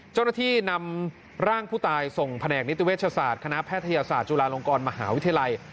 เจ้าหน้าที่นำร่างผู้ตายส่งแผนกนิติเวชศาสตร์คณะแพทยศาสตร์จุฬาลงกรมหาวิทยาลัย